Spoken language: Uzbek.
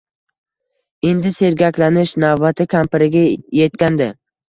Endi sergaklanish navbati kampiriga etgandi